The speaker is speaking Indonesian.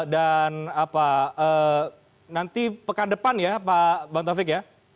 dan apa nanti pekan depan ya pak taufik ya